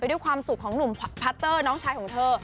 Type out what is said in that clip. ด้วยความสุขของหนุ่มพัตเตอร์น้องชายของเธอ